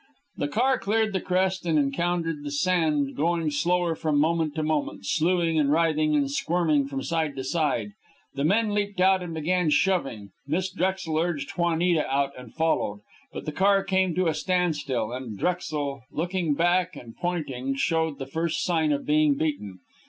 The car cleared the crest and encountered the sand, going slower from moment to moment, slewing and writhing and squirming from side to side. The men leaped out and began shoving. Miss Drexel urged Juanita out and followed. But the car came to a standstill, and Drexel, looking back and pointing, showed the first sign of being beaten.